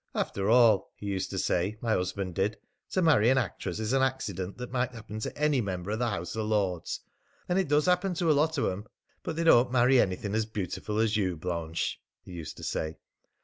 'After all,' he used to say, my husband did, 'to marry an actress is an accident that might happen to any member of the House of Lords; and it does happen to a lot of 'em, but they don't marry anything as beautiful as you, Blanche,' he used to say.